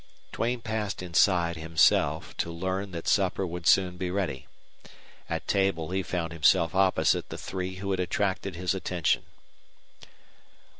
Duane passed inside himself to learn that supper would soon be ready. At table he found himself opposite the three who had attracted his attention.